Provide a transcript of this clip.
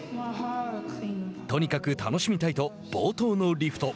とにかく楽しみたいと冒頭のリフト。